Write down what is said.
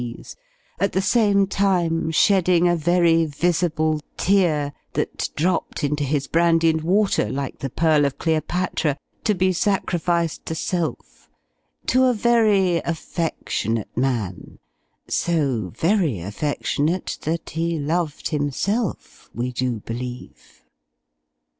's at the same time shedding a very visible tear, that dropped into his brandy and water, like the pearl of Cleopatra, to be sacrificed to self to a very affectionate man so very affectionate, that he loved himself, we do believe.